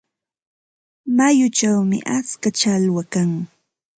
Mayuchawmi atska challwa kan.